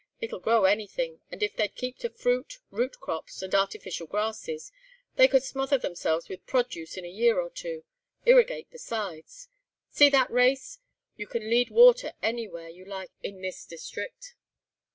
It'll grow anything, and if they'd keep to fruit, root crops, and artificial grasses, they could smother theirselves with produce in a year or two. Irrigate besides. See that race? You can lead water anywhere you like in this district."